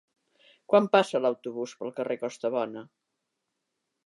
Quan passa l'autobús pel carrer Costabona?